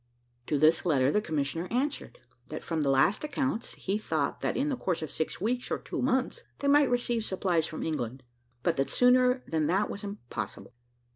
To this letter the commissioner answered, that from the last accounts, he thought that in the course of six weeks or two months, they might receive supplies from England, but that sooner than that was impossible.